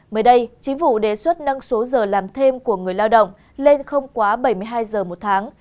mới đây chính phủ đề xuất nâng số giờ làm thêm của người lao động lên không quá bảy mươi hai giờ một tháng